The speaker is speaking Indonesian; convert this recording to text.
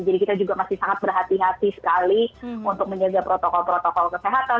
jadi kita juga masih sangat berhati hati sekali untuk menjaga protokol protokol kesehatan